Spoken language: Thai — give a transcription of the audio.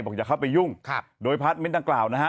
อย่าเข้าไปยุ่งโดยพาร์ทเมนต์ดังกล่าวนะฮะ